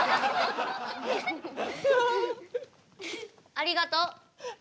ありがとう。